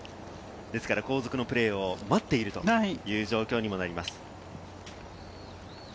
後続のプレーを待っているという状況にもなります。